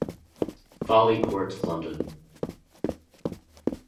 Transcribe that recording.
Folly Court London.